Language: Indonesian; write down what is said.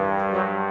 nih bolok ke dalam